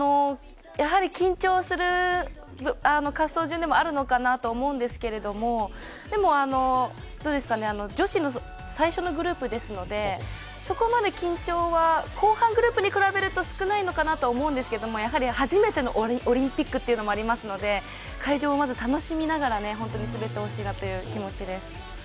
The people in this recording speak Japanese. やはり緊張する滑走順でもあるのかなと思うんですけれども女子の最初のグループですので、そこまで緊張は後半グループに比べると少ないのかなと思いますけど、やはり初めてのオリンピックというのもありますので会場をまず楽しみながら滑ってほしいなという気持ちです。